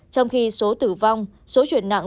trong khi số tử vong số chuyển nặng